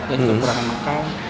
jadi kekurangan makan